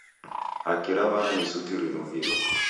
Haki ra w'ana ni suti rinughilo.